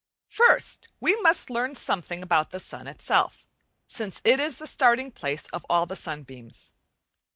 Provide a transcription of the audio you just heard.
First we must learn something about the sun itself, since it is the starting place of all the sunbeams.